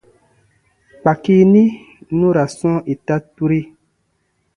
Kpaki ni nu ra sɔ̃ɔ ita turi.